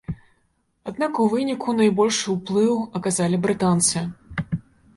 Аднак у выніку найбольшы ўплыў аказалі брытанцы.